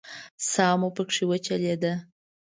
ساه مو پکې وچلېده.